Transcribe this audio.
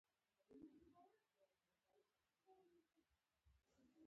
غوږونه له هدایت سره مینه لري